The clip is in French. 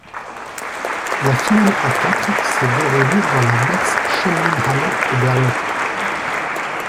La finale à quatre s'est déroulée dans la Max Schmeling-Halle de Berlin.